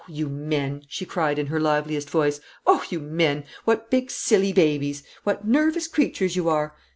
"Oh, you men!" she cried, in her liveliest voice; "oh, you men! What big silly babies, what nervous creatures you are!